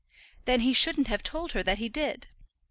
"Then he shouldn't have told her that he did."